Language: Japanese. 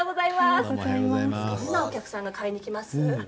どんなお客さんが買いにきますか。